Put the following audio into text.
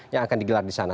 yang akan digelar di sana